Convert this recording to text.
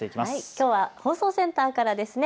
きょうは放送センターからですね。